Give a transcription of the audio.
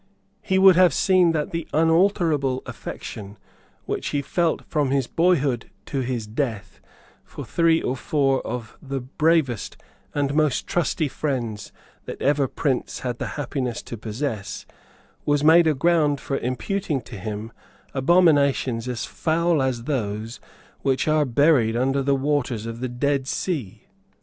He would have seen that the unalterable affection which he felt from his boyhood to his death for three or four of the bravest and most trusty friends that ever prince had the happiness to possess was made a ground for imputing to him abominations as foul as those which are buried under the waters of the Dead Sea.